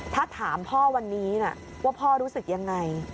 ถ้าถามพ่อวันนี้นะว่าพ่อรู้สึกยังไง